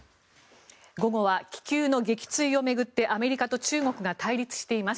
午後は気球の撃墜を巡ってアメリカと中国が対立しています。